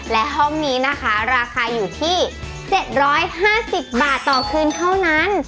และห้องนี้นะคะราคาอยู่ที่๗๕๐บาทต่อคืนเท่านั้น